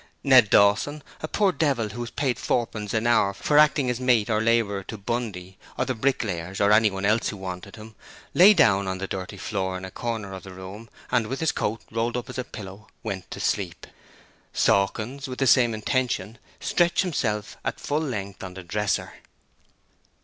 Ned Dawson, a poor devil who was paid fourpence an hour for acting as mate or labourer to Bundy, or the bricklayers, or anyone else who wanted him, lay down on the dirty floor in a corner of the room and with his coat rolled up as a pillow, went to sleep. Sawkins, with the same intention, stretched himself at full length on the dresser.